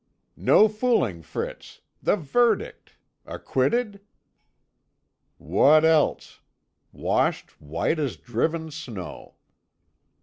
"No fooling, Fritz. The verdict; Acquitted?" "What else? Washed white as driven snow."